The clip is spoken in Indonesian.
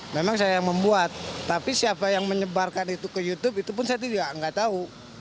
memang saya yang membuat tapi siapa yang menyebarkan itu ke youtube itu pun saya juga nggak tahu